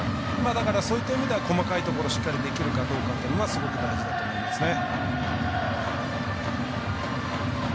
そういった意味では細かいところしっかりできるかが大事だと思いますね。